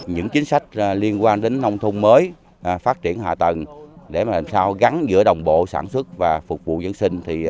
nhưng chị vi cũng rất tận tình